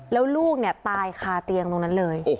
แล้วลูกเนี่ยตายคาเตียงตรงนั้นเลย